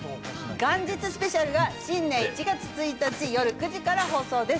スペシャルが新年１月１日よる９時から放送です。